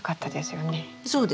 そうですね。